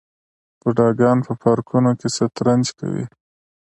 بوډاګان په پارکونو کې شطرنج کوي.